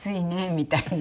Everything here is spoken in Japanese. みたいな。